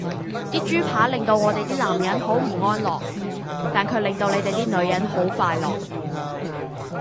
啲豬扒令到我哋啲男人好唔安樂,但卻令到你哋啲女人好快樂!